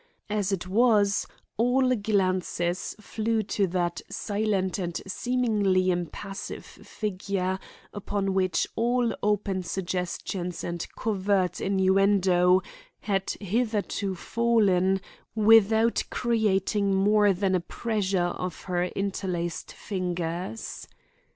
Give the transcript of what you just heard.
As it was, all glances flew to that silent and seemingly impassive figure upon which all open suggestions and covert innuendo had hitherto fallen without creating more than a pressure of her interlaced fingers.